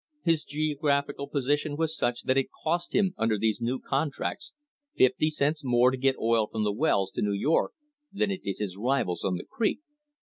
His geo graphical position was such that it cost him under these new contracts fifty cents more to get oil from the wells to New York than it did his rivals on the creek.